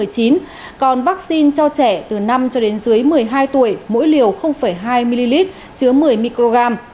còn vaccine cho trẻ từ năm cho đến dưới một mươi hai tuổi mỗi liều hai ml chứa một mươi microgram